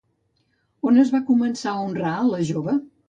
On es va començar a honrar a la jove?